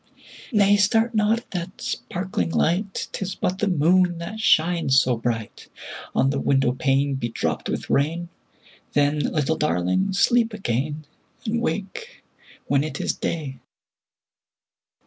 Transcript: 10 Nay! start not at that sparkling light; 'Tis but the moon that shines so bright On the window pane bedropped with rain: Then, little Darling! sleep again, And wake when it is day.